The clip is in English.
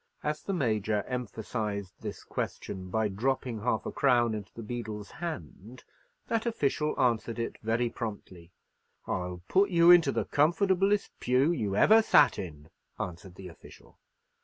As the Major emphasized this question by dropping half a crown into the beadle's hand, that official answered it very promptly,— "I'll put you into the comfortablest pew you ever sat in," answered the official.